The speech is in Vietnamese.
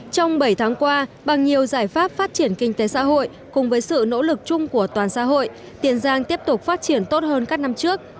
trong bảy tháng qua bằng nhiều giải pháp phát triển kinh tế xã hội cùng với sự nỗ lực chung của toàn xã hội tiền giang tiếp tục phát triển tốt hơn các năm trước